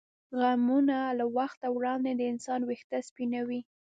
غمونه له وخته وړاندې د انسان وېښته سپینوي.